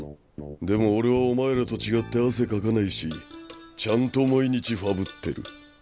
でも俺はお前らと違って汗かかないしちゃんと毎日ファブってる。